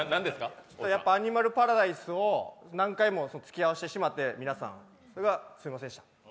アニマルパラダイスを何回もつきあわせてしまってすみませんでした。